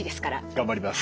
頑張ります。